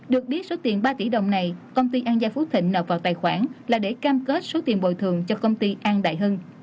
được biết số tiền ba tỷ đồng này công ty an gia phú thịnh nạp vào tài khoản là để cam kết số tiền bồi thường cho công ty an đại hưng